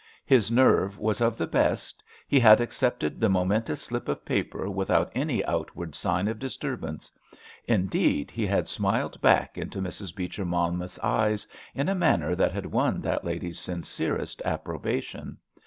His nerve was of the best; he had accepted the momentous slip of paper without any outward sign of disturbance. Indeed, he had smiled back into Mrs. Beecher Monmouth's eyes in a manner that had won that lady's sincerest approbation.